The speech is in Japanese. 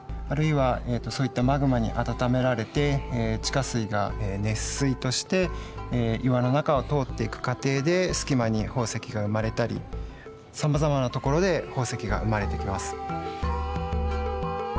あるいはそういったマグマに温められて地下水が熱水として岩の中を通っていく過程で隙間に宝石が生まれたりさまざまなところで宝石が生まれてきます。